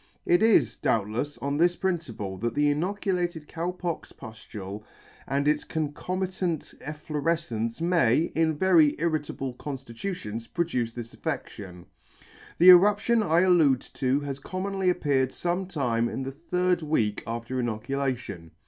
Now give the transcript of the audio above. It is, doubtlefs, on this principle that the inoculated Cow pock puflule and its concomitant efflorefcence may, in very irritable conftitutions, produce this affeCtion. The eruption I allude to has commonly appeared fome time in the third week after inoculation.